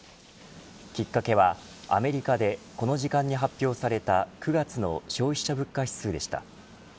きっかけは、アメリカでこの時間に発表された９月の消費者物価指数でした。